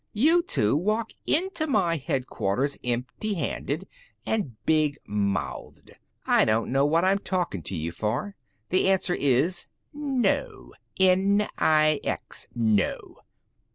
"You two walk into my headquarters empty handed and big mouthed. I don't know what I'm talking to you for. The answer is no. N I X, no!"